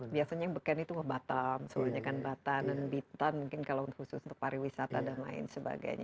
biasanya beken itu batam seluruhnya kan batam dan bintang mungkin kalau khusus untuk pariwisata dan lain sebagainya